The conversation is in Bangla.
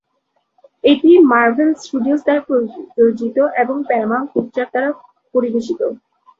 এটি মার্ভেল স্টুডিওস দ্বারা প্রযোজিত এবং প্যারামাউন্ট পিকচার্স দ্বারা পরিবেশিত।